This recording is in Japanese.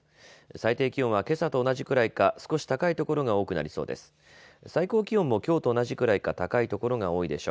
最低気温はけさと同じくらいか少し高い所が多くなりそうです。